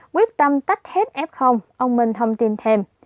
quyết tâm tách hết f ông minh thông tin thêm